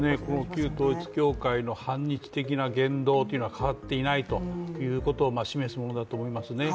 旧統一教会の反日的な言動は変わっていないというものを示すものだと思いますね。